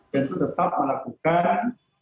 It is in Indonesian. tentu tetap melakukan